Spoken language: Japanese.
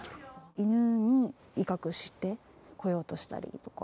犬に威嚇してこようとしたりとか。